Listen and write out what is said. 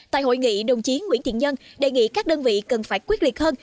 tại hội nghị đồng chí nguyễn thiện nhân đề nghị các đơn vị cần phải quyết liệt hơn